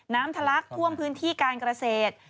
ทะลักท่วมพื้นที่การเกษตร